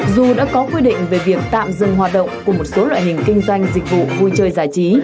dù đã có quy định về việc tạm dừng hoạt động của một số loại hình kinh doanh dịch vụ vui chơi giải trí